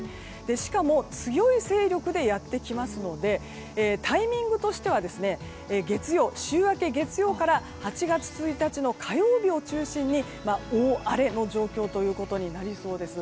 しかも、強い勢力でやってきますのでタイミングとしては週明け月曜日から８月１日の火曜日を中心に大荒れの状況ということになりそうです。